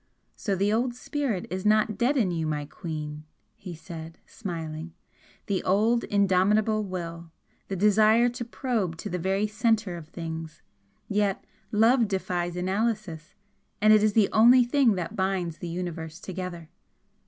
"So the old spirit is not dead in you, my queen," he said, smiling. "The old indomitable will! the desire to probe to the very centre of things! Yet love defies analysis, and is the only thing that binds the Universe together.